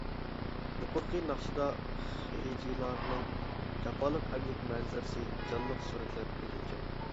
يۇقىرىقى ناخشىدا خېجېلارنىڭ جاپالىق ئەمگەك مەنزىرىسى جانلىق سۈرەتلەپ بېرىلگەن.